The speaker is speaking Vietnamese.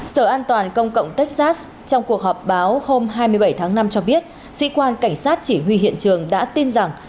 sở an toàn công cộng texas trong cuộc họp báo hôm hai mươi bảy tháng năm cho biết sĩ quan cảnh sát chỉ huy hiện trường đã tin rằng